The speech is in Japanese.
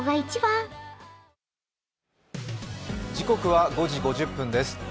時刻は５時５０分です。